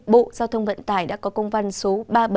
bộ giao thông vận tải đã có công văn số